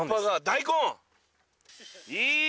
大根！